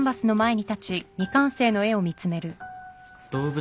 動物？